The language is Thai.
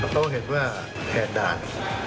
เขาเห็นว่าแหกด่าน